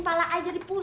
pahala aja dipusuk